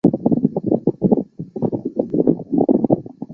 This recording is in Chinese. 非受限自由球员可以自行选择签约的球队。